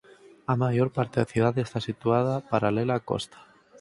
A maior parte da cidade está situada paralela á costa.